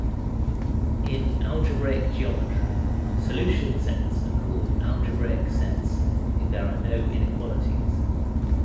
In algebraic geometry, solution sets are called algebraic sets if there are no inequalities.